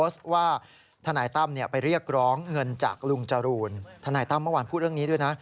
ส่วนอีกเรื่องหนึ่ง